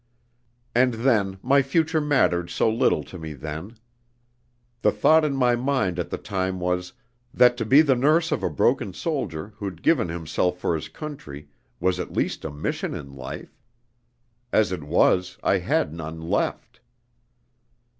And then, my future mattered so little to me then. The thought in my mind at the time was, that to be the nurse of a broken soldier who'd given himself for his country, was at least a mission in life. As it was, I had none left.